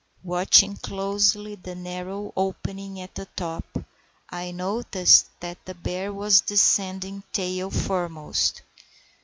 Watching closely the narrow opening at the top, I noticed that the bear was descending tail foremost.